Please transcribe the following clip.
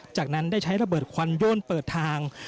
จากนั้นได้ใช้ระเบิดควันโยนเปิดทาง